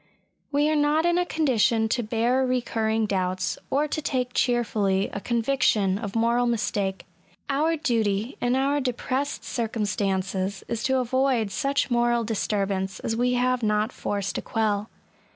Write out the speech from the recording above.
We are not in a condition to bear recurring doubts, or to take cheerfully a conviction of moral mistake. Our duty, in our depressed circumstances, is to avoid such moral disturbance as we have not force to quell.